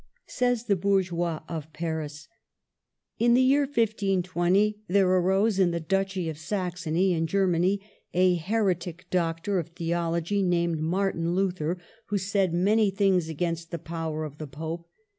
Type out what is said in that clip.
Says the Bourgeois of Paris, — "In the year 1520 there arose in the duchy of Saxony, in Germany, a heretic doctor of theology named Martin Luther, who said many things against the power of the Pope